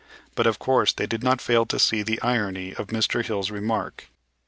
But, of course, they did not fail to see the irony of Mr. Hill's remark.